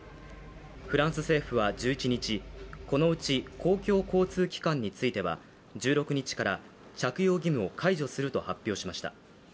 フランス政府は１１日、このうち公共交通機関については１６日から着用義務を解除すると発表しました。